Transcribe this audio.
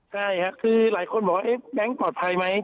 ใช่ค่ะคือหลายคนบอกว่าแบงค์ปลอดภัยไหม